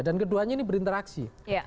dan keduanya ini berinteraksi